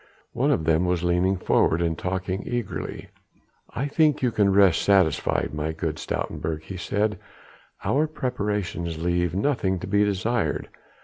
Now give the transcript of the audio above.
One of them was leaning forward and talking eagerly: "I think you can rest satisfied, my good Stoutenburg," he said, "our preparations leave nothing to be desired.